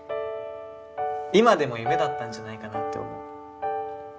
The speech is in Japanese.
今でも夢だったんじゃないかなって思う。